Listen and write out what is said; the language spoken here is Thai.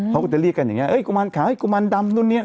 เขาก็จะเรียกกันอย่างนี้กุมารขาวให้กุมารดำนู่นเนี่ย